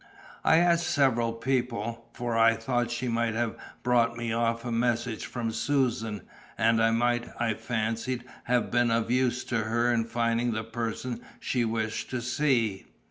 I asked several people, for I thought she might have brought me off a message from Susan; and I might, I fancied, have been of use to her in finding the person she wished to see.